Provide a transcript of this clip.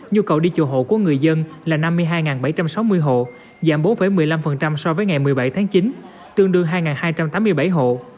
nhu cầu đi chùa hộ của người dân là năm mươi hai bảy trăm sáu mươi hộ giảm bốn một mươi năm so với ngày một mươi bảy tháng chín tương đương hai hai trăm tám mươi bảy hộ